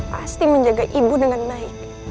pasti menjaga ibu dengan baik